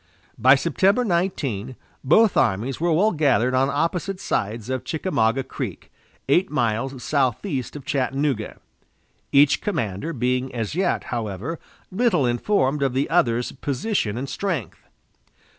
By September 19, both armies were well gathered on opposite sides of Chickamauga Creek, eight miles southeast of Chattanooga; each commander being as yet, however, little informed of the other's position and strength.